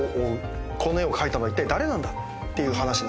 この絵を描いたのはいったい誰なんだっていう話なんですけど。